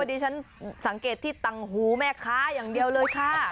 ดิฉันสังเกตที่ตังหูแม่ค้าอย่างเดียวเลยค่ะ